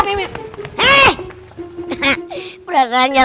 bambeng lo be